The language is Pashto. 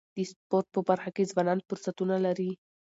د سپورټ په برخه کي ځوانان فرصتونه لري.